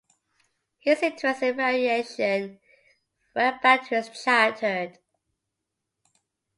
His interest in aviation went back to his childhood.